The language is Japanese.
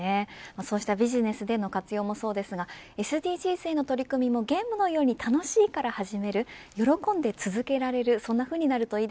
そうしたビジネスでの活用もそうですがＳＤＧｓへの取り組みもゲームのように楽しいから始める喜んで続けられる